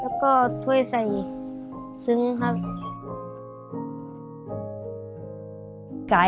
แล้วก็ถ้วยใส่ซึ้งครับ